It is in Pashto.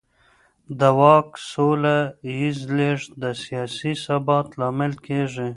د واک سوله ييز لېږد د سياسي ثبات لامل کېږي.